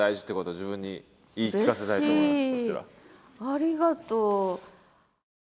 ありがとう。